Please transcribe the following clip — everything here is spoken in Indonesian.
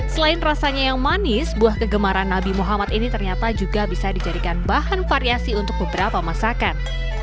selain rasanya yang manis buah kegemaran nabi muhammad ini ternyata juga bisa dijadikan bahan variasi untuk beberapa masakan